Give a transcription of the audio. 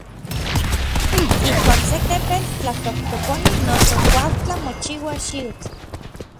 Ijkuak se tepetl tlatojtoponi noso kuaujtla mochiua xiutl.